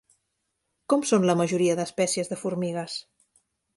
Com són la majoria d'espècies de formigues?